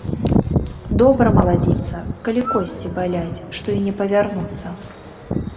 Добра, маладзіца, калі косці баляць, што і не павярнуцца.